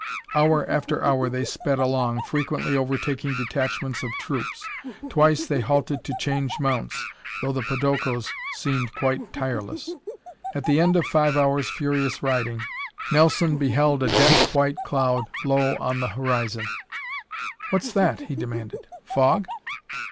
Hour after hour they sped along, frequently overtaking detachments of troops. Twice they halted to change mounts, though the podokos seemed quite tireless. At the end of five hours' furious riding, Nelson beheld a dense white cloud low on the horizon. "What's that?" he demanded. "Fog?"